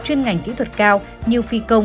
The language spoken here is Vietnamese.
chuyên ngành kỹ thuật cao như phi công